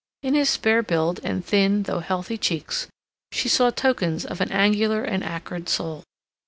In his spare build and thin, though healthy, cheeks, she saw tokens of an angular and acrid soul.